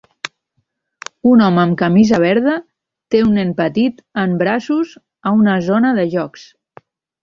Un home amb camisa verda té un nen petit en braços a una zona de jocs.